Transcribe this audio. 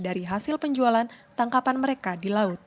dari hasil penjualan tangkapan mereka di laut